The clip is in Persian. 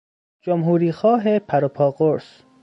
جمهوریخواه پروپا قرص